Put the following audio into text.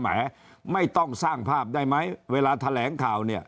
แหมไม่ต้องสร้างภาพได้ไหมเวลาแถลงข่าวเนี่ย